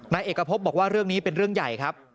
นายเอกพบบอกว่าเรื่องนี้เป็นเรื่องใหญ่ครับ